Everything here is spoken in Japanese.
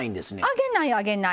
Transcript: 揚げない揚げない。